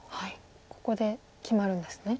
ここで決まるんですね。